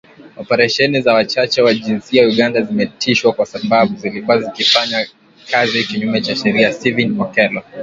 Operesheni za Wachache wa jinsia Uganda zimesitishwa kwa sababu zilikuwa zikifanya kazi kinyume cha sheria, Stephen Okello.